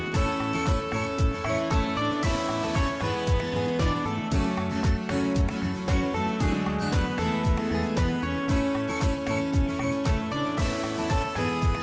สวัสดีครับ